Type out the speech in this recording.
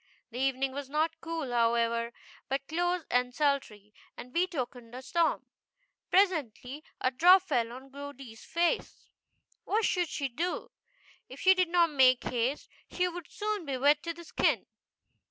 The evening was not cool, however, but close and sultry, and betokened a storm. Pres ently a drop fell on Goody's face. What should she do? If she did not make haste she would soon be wet to the skin.